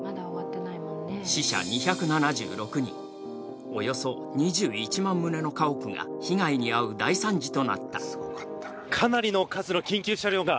死者２７６人、およそ２１万棟の家屋が被害に遭う大惨事となった。